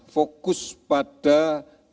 fokus pada covid sembilan belas